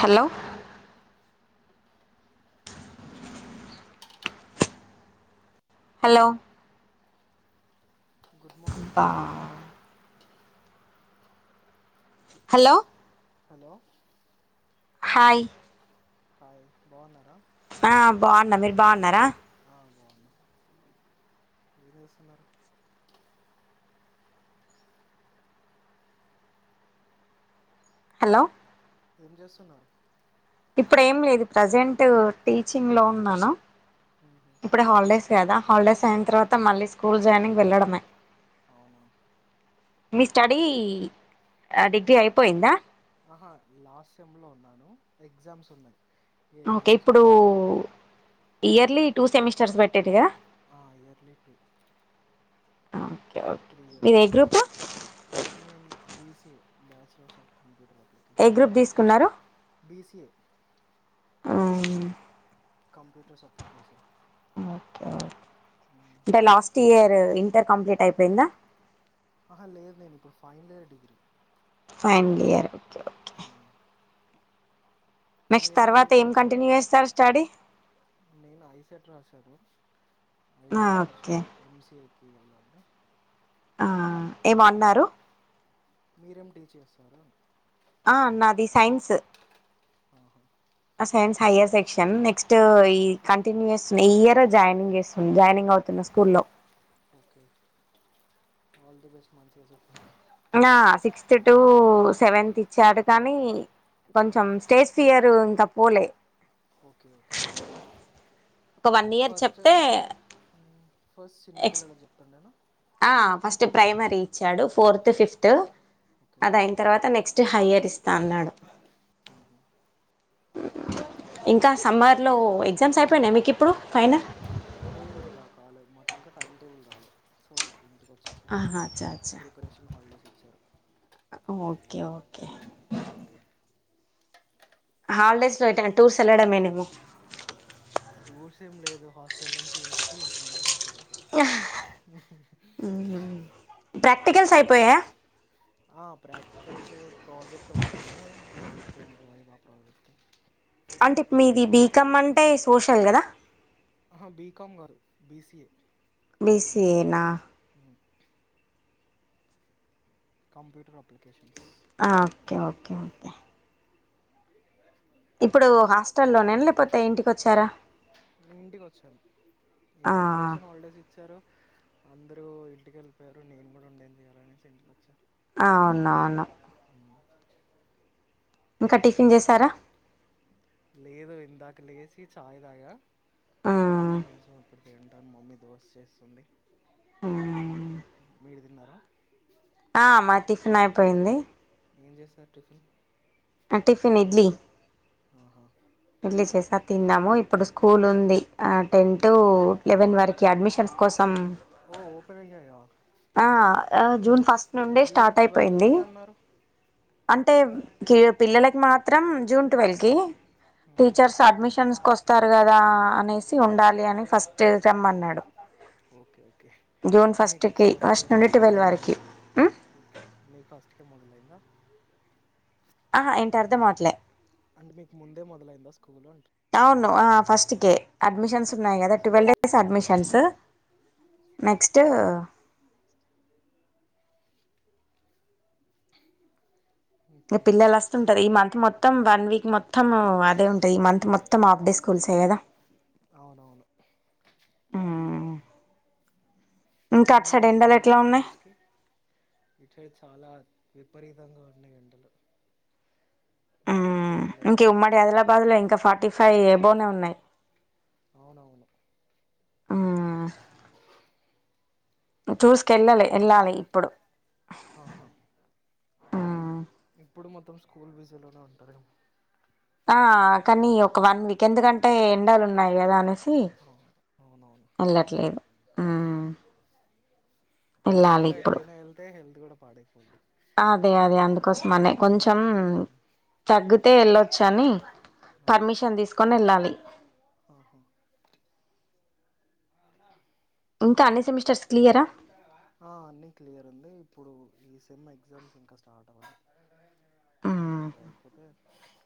Hello hello hello good morning బా బాగున్నారా hello hello hi hi బాగున్నారా ఆ బాగున్న మీరు బాగున్నారా ఆ బాగున్నా ఏం చేస్తున్నారు హలో ఏం చేస్తున్నారు ఇప్పుడు ఏం లేదు ప్రజెంట్ టీచింగ్ లో ఉన్నాను ఉహు ఇప్పుడు హాలిడేస్ కదా హాలిడేస్ అయిన తర్వాత మళ్ళీ స్కూల్ జాయినింగ్ వెళ్లడమే. అవునా మీ స్టడీ ఆ డిగ్రీ అయిపోయిందా ఆహా లాస్ట్ సెమ్లో ఉన్నాను ఎగ్జామ్స్ ఉన్నాయి ఈ ఓకే ఎగ్జామ్స్ ఇప్పుడు అయిపోతే అయిపోయినట్టు ఇయర్లీ టూ సెమిస్టర్స్ పెట్టేటిగా ఆ yearly two okay okay three మీరు ఇయర్స్ ఏ గ్రూప్ నేను బిసి బ్యాచలర్స్ ఆఫ్ కంప్యూటర్ ఏ గ్రూప్ తీస్కున్నారు ఎ కంప్యూటర్స్ ఎప్లికేషన్ ఓకే అంటే లాస్ట్ ఇయర్ ఇంటర్ కంప్లీట్ అయిపోయిందా. ఆహా లేదు నేను ఇప్పుడు final year degree final year okay ఆ నెక్స్ట్ మీరేం తర్వాత టీచ్ ఏం చేస్తారు కంటిన్యూ స్టడీ నేను ఐసెట్ రాసాను ఐసెట్ నుంచి ఓకే ఎంసిఎ కి వెళ్దామని ఆ ఏమో అన్నారు మీరేం టీచ్ చేస్తారు అన్నా ఆ నాది సైన్సు ఆహా ఆ సైన్స్ హయర్ సెక్షన్ నెక్స్ట్ ఈ కంటిన్యూ చేస్తుంది ఈ ఇయర్ జాయినింగ్ చేస్తు జాయినింగ్ అవుత్ అవుతున్న స్కూల్లో ఓకే ఆల్ ద బెస్ట్ మంచిగా చెప్పండి ఆ సిక్స్త్ టు సెవెన్త్ ఇచ్చాడు కానీ కొంచం స్టేజ్ ఫియర్ ఇంకా పోలే ఓకే ఓకే ఒక వన్ ఇయర్ ఫస్ట్ చెప్తే ఉమ్ ఫస్ట్ చిన్నపిల్లలికి చెప్తుండేనా ఆ ఫస్ట్ ప్రైమరీ ఇచ్చాడు ఫోర్త్ ఫిఫ్త్ ఓకే అది అయిన తర్వాత నెక్స్ట్ నెక్స్ట్ హయ్యార్ ఇస్తా అన్నాడు ఉ హు ఇంకా సమ్మర్లో ఎగ్జామ్స్ అయిపోయినాయ మీకు ఇప్పుడు. ఫైనల్ లేదు ఇంకా కాలా మాకు ఇంకా టైమ్ టేబుల్ రాలే సో ఇంటికి వచ్చేసా ఆహా అచ్చా ప్రిపరేషన్ హాలిడేస్ ఇచ్చారు ఆ ఓకే ఓకే హాలిడేస్లో అయితే ఇగ టూర్స్ వెళ్లడమేనేమో టూర్స్ ఏం లేదు హాస్టల్ నుంచి ఇంటికి ఇంటి నుంచి హాస్టల్కి. ఉ హు ప్రాక్టికల్స్ అయి ఆ ప్రాక్టికల్స్ ప్రాజెక్ట్ ఒకటి ఉండే అది అయి పోయింది వైవా ప్రాజెక్టు అంటే మీది బీకమ్ అంటే సోషల్ కదా ఆహా బీకాం కాదు బిసిఏ బిసిఏ నా [inaudible] కంప్యూటర్ అప్లికేషన్స్ ఆ ఓకే ఓకే ఓకే ఇప్పుడు హాస్టల్లోనేనా లేకపోతే ఇంటికి వచ్చారా. ఇంటికి వచ్చాను ఈ ఆ ప్రిపరేషన్ హాలిడేస్ ఇచ్చారు అందరూ ఇంటికి వెళ్ళిపోయారు నేను కూడా ఉండేం చెయాలనేసి ఇంటికి వచ్చా ఆ అవునా అవును ఇంకా టిఫిన్ చేశారా ందాక లేచి చాయ్ దాగా మ్మ్. కొంచెం ఇప్పుడు ంటాను మమ్మీ దోశ చేస్తుంది మీరు తిన్నారా ఆ మా టిఫిన్ అయిపోయింది ఏం చేసారు టిఫిన్ టిఫిన్ ఇడ్లీ ఆహా ఇడ్లీ చేసా తిన్నాము ఇప్పుడు స్కూల్ ఉంది ఆ టెన్ టు మ్మ్. లెవెన్ వరకు అడ్మిషన్స్ కోసం ఓ ఓపెన్ అయ్యాయా ఆ జూన్ ఫస్ట్ నుండే జూన్ స్టార్ట్ అయిపోయింది ట్వెల్త్ అన్నారు అంటే పిల్లలకి మాత్రం జూన్ ట్వెల్్ కి మ్మ్. టీచర్స్ అడ్మిషన్స్ వస్తారు కదా అనేసి ఉండాలి అని ఫస్ట్ రమ్మన్నాడు ఓకే ఓకే జూన్ మీకు కి ఫస్ట్ ే నుండి ట్వెల్వ్ మొదలైంద వరకి ఉమ్ మీ ఫస్ట్ మొదలైంద ఆా ఏంటి అర్థంమవట్లే అంటే మీకు ముందే మొదలైందా స్కూల్ అంట అవును ఫస్ట్కే అడ్మిషన్స్ ఉన్నాయి కదా ట్వెల్వ్ డేస్ అడ్మిషన్స్ నెక్స్ట్ ఆహా ఓకే పిల్లలు వస్తుంటారు ఈ మంత మొత్తం వన్ వీక్ మొత్తం అదే ఉంటాయి ఈ మంత్ మొత్తం ఆఫ్డే స్కూల్స్ే కదా అవునవును ఉమ్ ఇంకా అటు మీరు సైడ్ ఎటు ఎండలు వెళ్ళలే ఎట్లా ఉన్నాయి టూర్స్ కి ఇటు సైడ్ చాలా విపరీతంగా ఉన్నాయి ఎండలు బయటికి కూడా ఇంక వెళ్ళనట్లుగా ఉమ్మడి ఆదిలాబాద్ లో ఇంకా ఫార్టీ ఫైవ్ ఏ బోనే ఉన్నాయి అవునవును ఆ చూసుకెళ్ళాలి మొన్న వెళ్ళాలి ఇప్పుడు ఆహా మ్మ్ ఇప్పుడు మొత్తం స్కూల్ బీజలోనే ఉంటారు ఆ కానీ ఒక వన్ వీక్ ఎందుకంటే ఎండలు ఉన్నాయి కదా అనేసి [unintelligible] అవును అవునవును వెళ్ళట్లేదు ఈ వెళ్ళాలి ఎండలో ఇప్పుడు ఎటయినా వెళ్తే హెల్త్ కూడా పాడైపోయిద్ధి అదే అదే అందుకోసం అనే కొంచెం బెటర్ తగ్గితే వెళ్ళొచ్చని అవును పర్మిషన్ తీసుకొని వెళ్ళాలి ఆహా ఇంకా అన్ని సెమిస్టర్స్ క్లియరా ఆ అన్నీ క్లియర్ ఉంది ఇప్పుడు ఈ సేమ్ ఎగ్జామ్స్ ఇంకా స్టార్ట్ అవ్వాల మ్మ్ ఇది అయిపోతే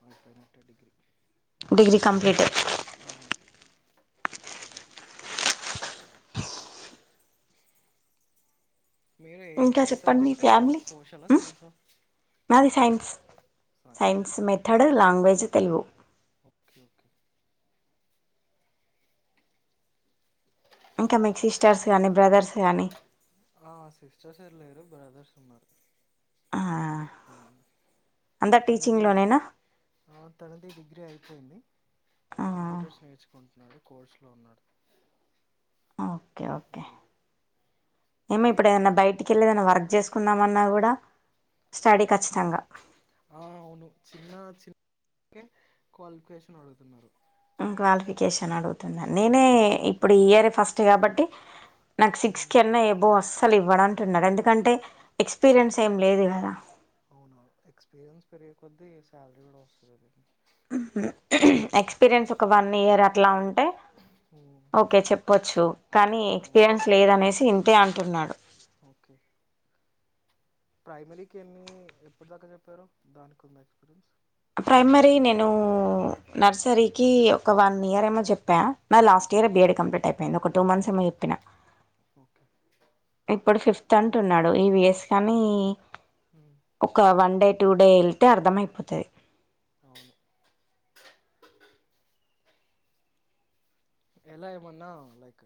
అయిపోయినట్టే డిగ్రీ డిగ్రీ కంప్లీట్ ఆ మీరు ఏ ఇంకా ఏ చెప్పండి మీ సబ్జెక్ట్ ఫ్యామిలీ సోషలా సైన్స్ ఆ నాది science science method language Telugu okay okay ఇంకా మీకు సిస్టర్స్ కానీ బ్రదర్స్ కానీ ఆ సిస్టర్స్ ఎవరు లేరు బ్రదర్స్ ఉన్నారు ఉమ్ అందరు తనది టీచింగ్లోనేనా ఆ తనది డిగ్రీ అయి అపోయింది కంప్యూటర్స్ నేర్చుకుంటున్నాడు కోర్స్ లో ఉన్నాడు ఓకే ఓకే ఉమ్. ఏమో ఇప్పుడ ఏదన్నా బయటికి ఎల్లే ఏదన్నా వర్ చేసుకుందామన్నా కూడా స్టడీ ఖచ్చితంగా ఆ అవును చిన్న చికె క్వాలిఫికేషన్ అడుగుతున్నారు క్వాలిఫికేషన్ అడుగుతున్నాను నేనే ఉమ్, ఇప్పుడు ఇప్పట్లో ఇయర్ ఫస్ట్ కాబట్టి నాకు సిక్స్ ఉమ్, కన్నా అబోవ్ అస్సలు ఇవ్వడం టున్నారు ఎందుకంటే ఎక్స్పీరియన్స్ ఏం లేదు కదా అవును ఎక్స్పీరియన్స్ పెరిగే కొద్ది శాలరీ కూడా వస్తుంది లెండి ఉహ్మ్ హు ఎక్స్పీరియన్స్ ఒక వన్ ఇయర్ అట్లా ఉం టె ఓకే చెప్పొచ్చు కానీ అవును ఎక్స్పీరియన్స్ లేదనేసి ఇంతే అంటున్నాడు ఓకే ప్రైమరీకి ఎన్ని ఎప్పటి దాకా చెప్పారు దానికుంద ఎక్స్పీరియన్స్ ప్రైమరీ నేను నర్సరీకి ఒక వన్ ఇయర్ ఏమో చెప్పా నా లాస్ట్ ఆ, ఇయర్ బిఏడి కంప్లీట్ అయిపోయింది ఒక టూ మంత్స్ ఏమో చెప్పినా ఓకే ఇప్పుడు ఫిఫ్త్ అంటున్నాడు ఇవిస్ కానీ ఉమ్, ఒక వన్ డె టూ డే వెళ్తే అర్థమైపోతాది అవును ఎలా ఏమన్నా లైక్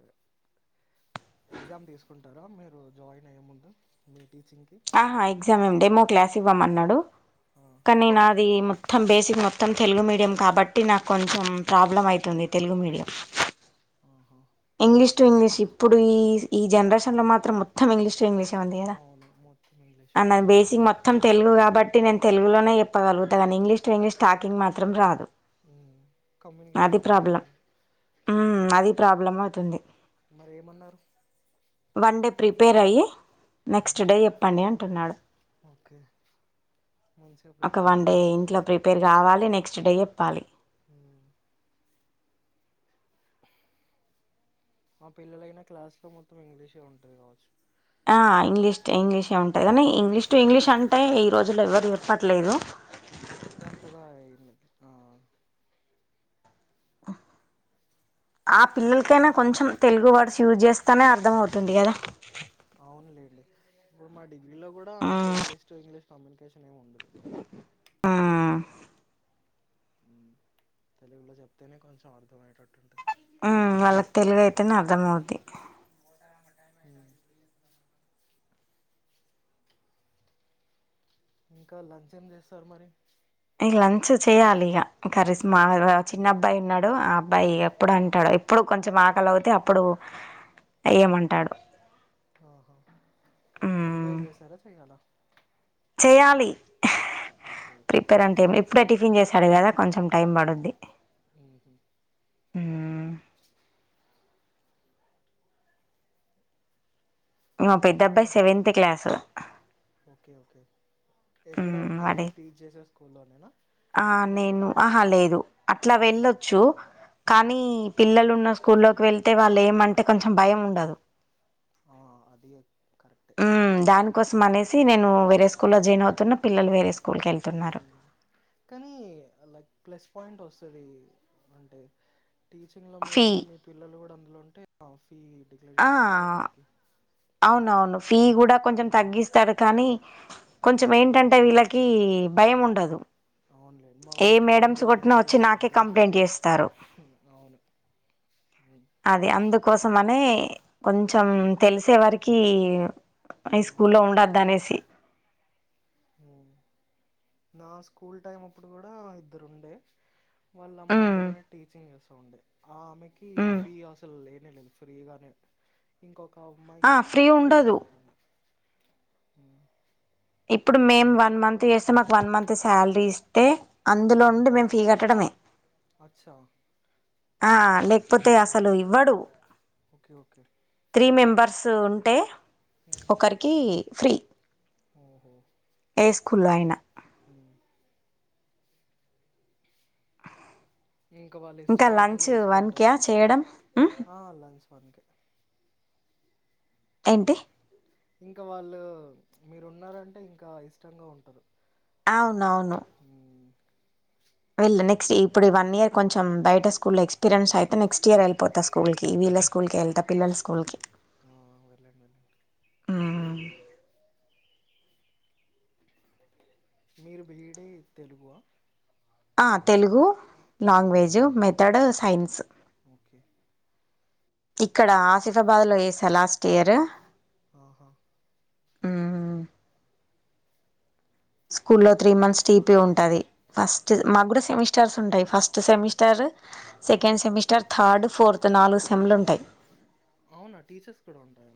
ఎగ్జామ్ తీసుకుంన్ టారా మీరు జాయిన్ అయ్యే ముందు మీ టీచింగ్కి ఆహా ఎగ్జామ్ ఏమి డేమో క్లాస్ ఇవ్వమన్నాడు ఆ, కానీ నాది మొత్తం బేసిక్ మొత్తం తెలుగు మీడియం కాబట్టి నాకు కొంచెం ప్రాబ్లం అయితుంది తెలుగు మీడియం ఆహా. ఇంగ్లీష్ టు ఇంగ్లీష్ ఇప్పుడు ఈ ఈ జనరేషన్ లో మాత్రం మొత్తం ఇంగ్లీష్ టు ఇంగ్లీష్ టంది కదా అవును మొత్తం ఇంగ్లీషే మనది బేసిక్ మొత్తం తెలుగు కాబట్టి టి నేను తెలుగులోనే ఎప్పగలుగుతా కానీ ఇంగ్లీష్ టు ఇంగ్లీష్ స్టార్టింగ్ మాత్రం రాదు ఉమ్ అది కమ్యూనికేషన్ ప్రాబ్లం ఉండాలి మ్ మ్మ్ అది ప్రాబ్లం అవుతుంది మరి ఏమన్నారు వన్ డే ప్రిపేర్ అయ్యి ఉమ్, నెక్స్ట్ డే చెప్పండి అంటున్నాడు ఓకే మంచిగా ఒక ప్రిపేర్ వన్ అవ్వండి డే మరి ఇంట్లో ప్రిపేర్ కావాలి నెక్స్ట్ డే చెప్పాలి ఊమ్ ఆ పిల్లలైనా క్లాస్ లో మొత్తం ఇంగ్లీషే ఉంటది కావచ్చు ఆ ఇంగ్లీష్ టు ఇంగ్లీష్ ఏ ఉంటది కానీ ఇంగ్లీష్ టు ఉమ్, ఇంగ్లీష్ అంటే ఈ రోజుల్లో ఎవరు పట్లేదు ఎంతగా అయింది ఆ అ ఆ పిల్లలకైనా కొంచెం తెలుగు వర్డ్స్ యూజ్ చేస్తానే అర్థం అవుతుంది కదా అవునులేండి ఇప్పుడు మా డిగ్రీ లో కూడా అంత మ్మ్ ఇంగ్లీష్ టు ఇంగ్లీష్ కమ్యూనికేషన్ ఏమి ఉండదు మ్మ్ ఉమ్ తెలుగుళ్లో చెప్తేనే కొంచెం అర్థమయ్యేటట్టు ఉంటది ఊమ్ వాళ్ళకి తెలుగు అయితేనే అర్థమవుది ఊమ్ ఇంక లంచ్ ఏం చేస్తారు మరి ఇక లంచ్ చేయ్యాలి ఇక కరీస్ మా చిన్న అంటే అబ్బాయి ఉన్నాడు ఆ అబ్బాయి ఎప్పుడు మ్మ్. అంటాడు ఎప్పుడు కొంచెం ఆకలి అవుతే అప్పుడు ఎయ్యమంటాడు ఆహ ప్రిపేర్ చేస్తారా చేయలా చేయాలి ఓకే ప్రిపేర్ అంటే ఏ ఇప్పుడే టిఫిన్ చేశాడు కదా కొంచెం టైం పడుద్ది అ మ్మ్ ఇంకో ఇంకా పెద్దబ్బాయి సెవెంత్ క్లాసు ఓకే ఓకే ఎక్కడ మీరు టీచ్ సే స్కూల్ ఆ నేను ఆహా లేదు అట్లా వెళ్ళొచ్చు ఆ, కానీ పిల్లలు ఉన్న స్కూల్లోకి వెళ్తే వాళ్ళు ఏమంటే కొంచెం భయం ఉండదు ఆ అది అది క మ్మ్ దాని కోసం అనేసి నేను వేరే స్కూల్ల్లో జాయిన్ అవుతున్న పిల్లలు వేరే స్కూ మ్మ్ కానీ లక్ ప్లస్ పాయింట్ వస్తుంది అంటే టీచింగ్లో ఫీ మీరుండి మీ పిల్లలు కూడా అందులో ఉంటే ఆ ఫీ డిక్లేర్ ఆ చేస్తారు కదా ఒక్కరికి అవునవును ఫీ కూడా కొంచెం హ్మ్. తగ్గిస్తారు కానీ కొంచం ఏంటంటే వీళ్ళకి భయం ఉండదు అవును లే మా అమ్మ ఏ ఇక్కడే ఉంది మేడమ్స్ కొట్టినా అనేసి వచ్చి నాకే చూసుకుంటారు కంప్లైంట్ అవును హ్మ్. అదే అందుకోసం అనే కొంచం తెలిసే వారికి ఈ హ్మ్. స్కూల్ లో ఉండదు అనేసి నా స్కూల్ టైం అప్పుడు కూడా ఇద్దరు ఉండే వాళ్ళ అమ్మ ఉమ్ అందులోనే టీచింగ్ చేస్తా ఉండే ఆ ఆమెకి ఉమ్ ఫీ అసలు లే లేదు ఫ్రీగానే ఇంకొక ఆ అమ్మాయికి ఫ్రీ ఫీ ఉండదు కడుతుంది మ్మ్ ఇప్పుడు మేం వన్ మంత్ చేస్తున్న మాకు వన్ మంత్ శాలరీ ఇస్తే అందులో హ్మ్. నుండి మేము ఫీ కట్టడమే అచ్చా ఆ లేకపోతే అసలు ఇవ్వడు okay okay three members ఉంటే ఉమ్. ఒకరికి ఫ్రీ ఏ స్ కుల్ అయినా మ్మ్ ఇంకా వాళ్ళు ఇంకా ఇష్టారాజ్యం లంచ్ చేసుకుంటారు వన్కా చేయడం ఆ లంచ్ మనకే ఏంటి ఇంకా వాళ్ళు మీరు ఉన్నారంటే ఇంకా ఇష్టంగా ఉంటారు అవునవును ఉమ్, వెళ్ళ నెస్ట్ ఇప్పుడు వన్ ఇయర్ కొంచెం బయట స్కూల్ ఎక్స్పీరియన్స్ అయితే నెక్స్ట్ ఇయర్ వెళ్ళిపోతా స్కూల్కి వీళ్ల స్కూల్ కే ఓకే వెళ్తా పిల్లల స్కూల్కి ఆ వెళ్ళండి మ్మ్ మీరు బీఈడీ తెలుగా ఆ Telugu language method science okay ఇక్కడ ఆసిఫాబాద్ లో చేసా లాస్ట్ ఇయర్ ఆహా ఆ స్కూ లో త్రీ మంత్స్ టీపీ ఉంటుది ఫస్ట్ ఉమ్. మాకు కూడా సెమిస్టార్స్ ఉంటాయి. First semester second semester third, fourth నాలుగు సెమిస్టర్స్ ఉంటాయి. అవునా టీచర్స్ కూడా ఉంటాయ.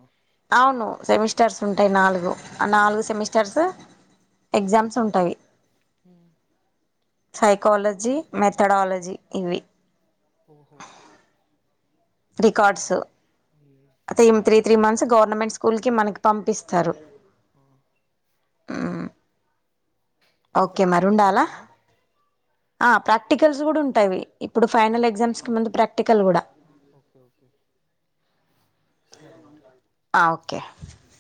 అవును సెమిస్టర్స్ ఉంటాయి నాలుగు ఆ నాలుగు ఉమ్, సెమిస్టర్స్. ఎగ్జామ్స్ ఉంటాయి. అ సైకాలజీ, మెథడాలజీ ఇవి. ఉహు. రికార్డ్స్. ఉమ్, అయితే త్రీ త్రీ మంత్స్ గవర్నమెంట్ స్కూల్కి మనకి పంపిస్తారు. ఆఓ [inaudible] హ్మ్. అక్కడ ప్రాక్టికల్ లాగాన. ఆ ప్రాక్టికల్స్ కూడా ఉంటావి ఇప్పుడు. ఫైనల్ ఎగ్జామ్స్ కు ముందు ప్రాక్టికల్స్ కూడా. ఓకే ఓకే సరే మరి. ఆ ఓకే. ఉమ్.